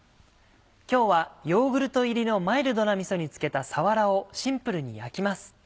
今日はヨーグルト入りのマイルドなみそに漬けたさわらをシンプルに焼きます。